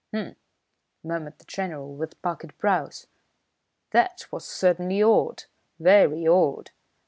"H'm!" murmured the General with puckered brows. "That was certainly odd, very odd!"